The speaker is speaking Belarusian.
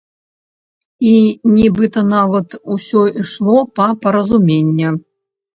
І нібыта нават усё ішло па паразумення.